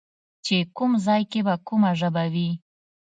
چې کوم ځای کې به کومه ژبه وي